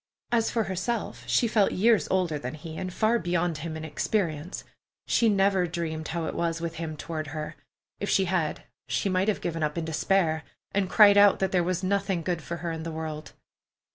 As for herself, she felt years older than he, and far beyond him in experience. She never dreamed how it was with him toward her. If she had, she might have given up in despair, and cried out that there was nothing good for her in the world.